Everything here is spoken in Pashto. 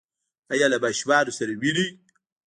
ایا له ماشومانو سره وینئ؟